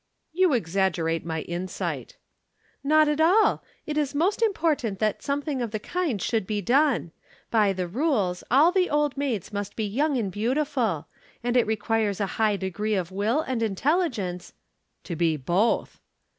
"You exaggerate my insight." "Not at all. It is most important that something of the kind should be done. By the rules, all the Old Maids must be young and beautiful. And it requires a high degree of will and intelligence " "To be both!"